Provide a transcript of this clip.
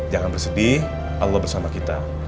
jangan bersedih allah bersama kita